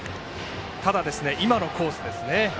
ただ、今のコースですね。